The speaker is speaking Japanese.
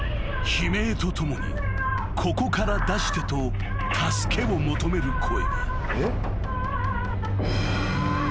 ［悲鳴とともに「ここから出して」と助けを求める声が］